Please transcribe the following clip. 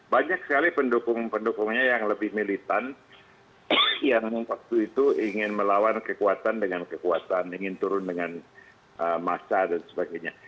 banyak sekali pendukung pendukungnya yang lebih militan yang waktu itu ingin melawan kekuatan dengan kekuatan ingin turun dengan massa dan sebagainya